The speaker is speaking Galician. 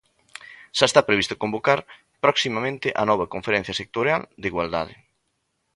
Xa está previsto convocar proximamente a nova Conferencia Sectorial de Igualdade.